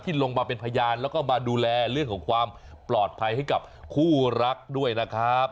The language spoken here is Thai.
ลงมาเป็นพยานแล้วก็มาดูแลเรื่องของความปลอดภัยให้กับคู่รักด้วยนะครับ